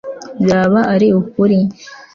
byaba ari ukuri